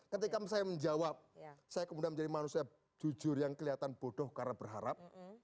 ketika saya menjawab saya kemudian menjadi manusia jujur yang kelihatan bodoh karena berharap